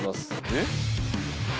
えっ？